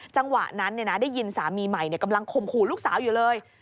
จังหวะนั้นได้ยินสามีใหม่กำลังข่มขู่ลูกสาวอยู่เลย